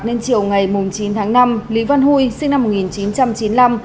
nên chiều ngày chín tháng năm lý văn huy sinh năm một nghìn chín trăm chín mươi năm